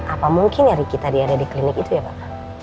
apa mungkin ya riki tadi ada di klinik itu ya pak